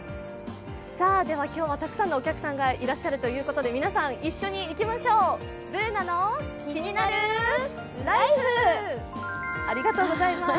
今日はたくさんのお客さんがいらっしゃるということで「ＢｏｏｎａのキニナルＬＩＦＥ」！ありがとうございます。